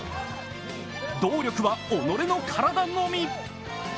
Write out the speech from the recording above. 動力は己の体のみ。